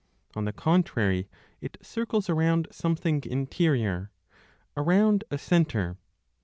On the contrary, it circles around something interior, around a centre.